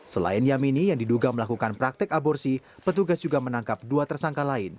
selain yamini yang diduga melakukan praktek aborsi petugas juga menangkap dua tersangka lain